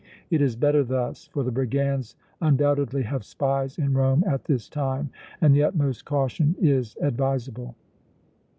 It is better thus, for the brigands undoubtedly have spies in Rome at this time and the utmost caution is advisable."